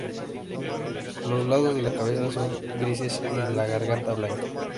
Los lados de la cabeza son grises y la garganta blanca.